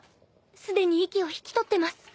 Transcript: すでに息を引き取ってます。